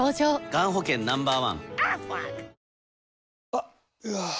あっ、うわー。